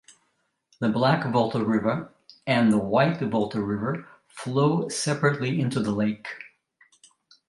The Black Volta River and the White Volta River flow separately into the lake.